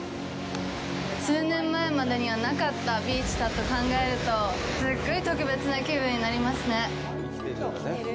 数年前までにはなかったビーチだと考えると、すっごい特別な気分になりますね。